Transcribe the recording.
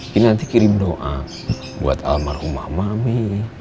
kinanti kirim doa buat almarhum mamami